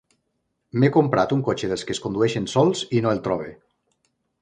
M’he comprat un cotxe dels que es condueixen sols i no el trobe.